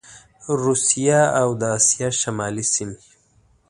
روسیه او د اسیا شمالي سیمي